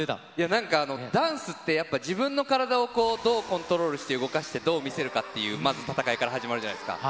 なんか、ダンスって、やっぱ自分の体をこう、どうコントロールして動かして、どう見せるかっていう、まず戦いから始まるじゃないですか。